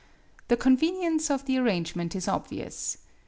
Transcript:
The convenience of the ar rangement is obvious.